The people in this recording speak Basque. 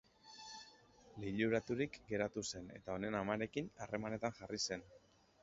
Liluraturik geratu zen eta honen amarekin harremanetan jarri zen.